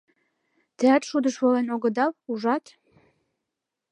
Теат шудыш волен огыдал, ужат?